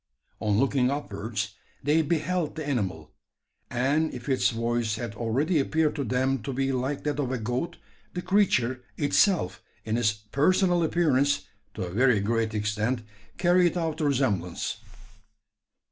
On looking upwards, they beheld the animal; and if its voice had already appeared to them to be like that of a goat, the creature itself in its personal appearance, to a very great extent, carried out the resemblance.